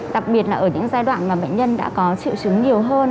đặc biệt là ở những giai đoạn mà bệnh nhân đã có triệu chứng nhiều hơn